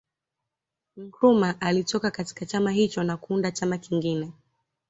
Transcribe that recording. Nkrumah alitoka katika chama hicho na kuuunda chama kingine